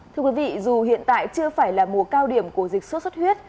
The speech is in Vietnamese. thưa quý vị dù hiện tại chưa phải là mùa cao điểm của dịch sốt xuất huyết